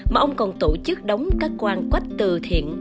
mà ông còn tổ chức đóng các quan quách từ thiện